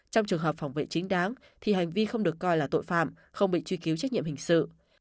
trong trường hợp phòng vệ chính đáng thì hành vi không được coi là tội phạm không bị truy cứu trách nhiệm hình sự